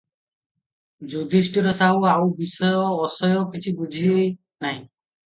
ଯୁଧିଷ୍ଟିର ସାହୁ ଆଉ ବିଷୟ ଅଶୟ କିଛିବୁଝେ ନାହିଁ ।